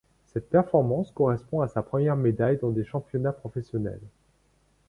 Cette performance correspond à sa première médaille dans des championnats professionnels.